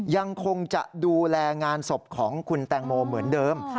ยังคงจะดูแลงานศพของคุณแตงโมเหมือนเดิม